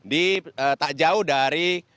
di tak jauh dari